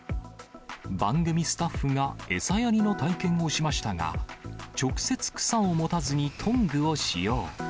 番組スタッフが餌やりの体験をしましたが、直接草を持たずにトングを使用。